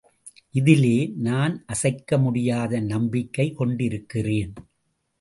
இதிலே நான் அசைக்கமுடியாத நம்பிக்கை கொண்டிருக்கிறேன்.